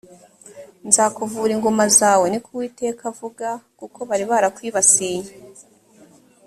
nzakuvura inguma zawe ni ko uwiteka avuga kuko bari barakwibasiye